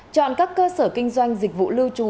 chọn các cơ sở kinh doanh dịch vụ lưu trú